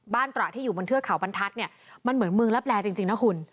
ตระที่อยู่บนเทือกเขาบรรทัศน์เนี่ยมันเหมือนเมืองลับแลจริงนะคุณ